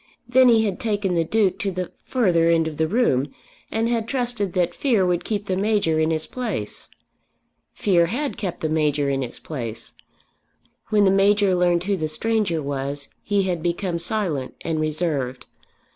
Then he had taken the Duke to the further end of the room, and had trusted that fear would keep the Major in his place. Fear had kept the Major in his place. When the Major learned who the stranger was, he had become silent and reserved.